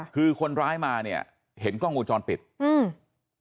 คือคนร้ายมาเนี้ยเห็นกล้องวงจรปิดอืม